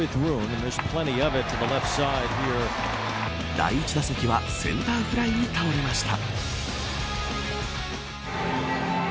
第１打席はセンターフライに倒れました。